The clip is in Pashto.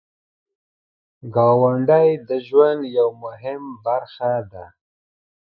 ګاونډی د ژوند یو مهم برخه ده